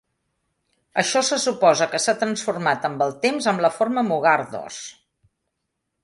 Això se suposa que s'ha transformat amb el temps en la forma "Mugardos".